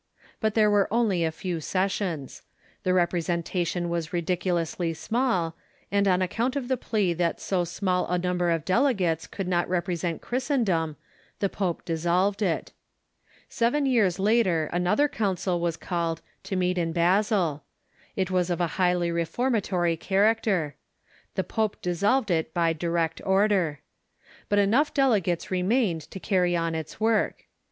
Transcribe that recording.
But there were only a few sessions. The representation was ridiculously small, and on account of the plea that so small a number of delegates could not represent Christendom, the pope dissolved it. Seven years later another council was called, to meet in Basle. It was of a highly reformatory character. The pope dissolved it by direct order. But enough delegates remained to carry on its work.